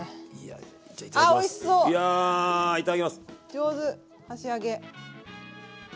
上手箸上げ。